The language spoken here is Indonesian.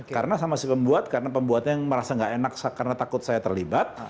karena sama si pembuat karena pembuatnya merasa gak enak karena takut saya terlibat